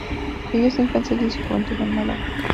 Vivió su infancia allí y su juventud en Málaga.